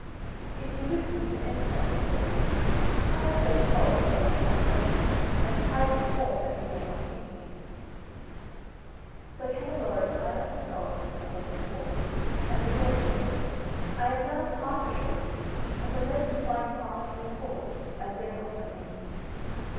"If you wish me to enter," rejoined the doe, "tie up those dogs, that they may not hurt me, and tie up your horse that he may not kick me." So Canneloro tied up his dogs and hobbled his horse, and the doe said, "I am now half assured, but unless you bind fast your sword, I dare not come in."